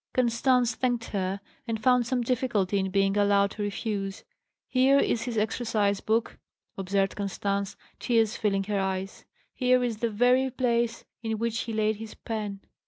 Constance thanked her, and found some difficulty in being allowed to refuse. "Here is his exercise book," observed Constance, tears filling her eyes; "here is the very place in which he laid his pen.